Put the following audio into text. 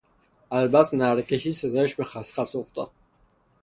از بس نعره کشید صدایش به خس خس افتاد.